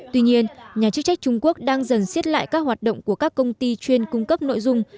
tuy nhiên nhà chức trách trung quốc đang dần xiết lại các hoạt động của các công ty chuyên cung cấp nội dung